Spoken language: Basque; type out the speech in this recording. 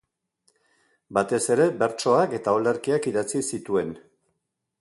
Batez ere bertsoak eta olerkiak idatzi zituen.